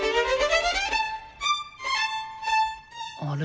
あれ？